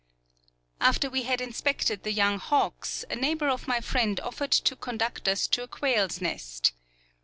After we had inspected the young hawks, a neighbor of my friend offered to conduct us to a quail's nest.